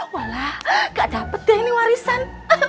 walah gak dapet deh ini warisan